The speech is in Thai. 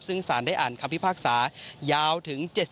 ซึ่งสารได้อ่านคำพิพากษายาวถึง๗๐